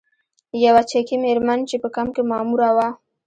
یوه چکي میرمن چې په کمپ کې ماموره وه.